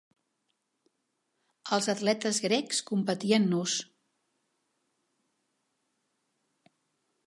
Els atletes grecs competien nus.